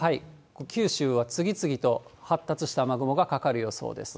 九州は次々と発達した雨雲がかかる予想です。